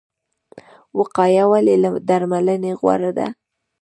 وقایه ولې له درملنې غوره ده؟